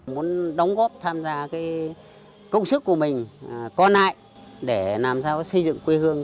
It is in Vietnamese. muốn đóng góp tham gia cái công sức của mình có nại để làm sao xây dựng quê hương